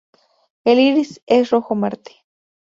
El iris es rojo mate.